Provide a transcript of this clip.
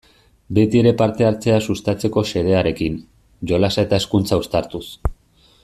Beti ere parte-hartzea sustatzeko xedearekin, jolasa eta hezkuntza uztartuz.